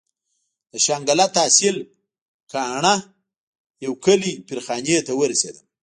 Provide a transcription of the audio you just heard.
د شانګله تحصيل کاڼه يو کلي پير خاني ته ورسېدم.